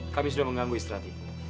kami sudah mengganggu istirahat